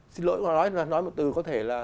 xin lỗi nói một từ có thể là